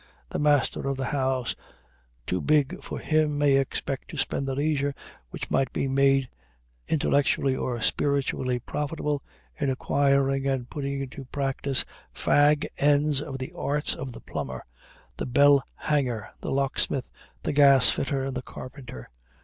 The master of a house too big for him may expect to spend the leisure which might be made intellectually or spiritually profitable, in acquiring and putting into practice fag ends of the arts of the plumber, the bell hanger, the locksmith, the gasfitter, and the carpenter.